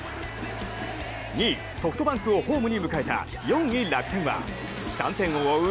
２位、ソフトバンクをホームに迎えた４位・楽天は３点を追う